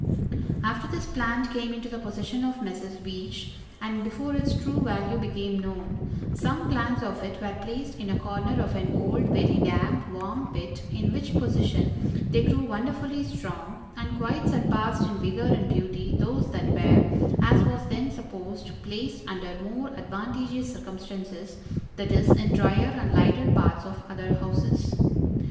After this plant came into the possession of Messrs. Veitch, and before its true value became known, some plants of it were placed in a corner of an old, very damp, warm pit, in which position they grew wonderfully strong, and quite surpassed in vigor and beauty those that were, as was then supposed, placed under more advantageous circumstances, i.e., in dryer and lighter parts of other houses.